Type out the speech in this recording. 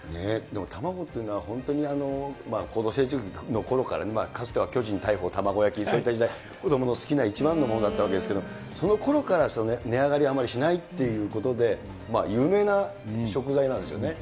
でも卵っていうのは本当に高度成長期のころから、かつては、巨人、大鵬、卵焼き、そういった時代、子どもの好きな一番のものだったわけですけれども、そのころから、値上がりあんまりしないということで、有名な食材なんですよね。